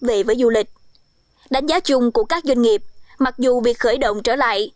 về với du lịch đánh giá chung của các doanh nghiệp mặc dù việc khởi động trở lại